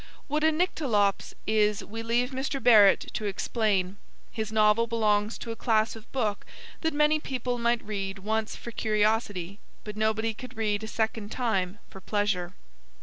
What a Nyctalops is we leave Mr. Barrett to explain. His novel belongs to a class of book that many people might read once for curiosity but nobody could read a second time for pleasure.